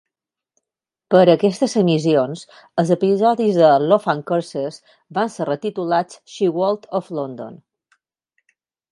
Per a aquestes emissions, els episodis de Love and Curses van ser retitulats She-Wold of London.